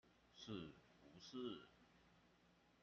是不是